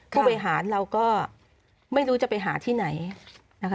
ผู้บริหารเราก็ไม่รู้จะไปหาที่ไหนนะคะ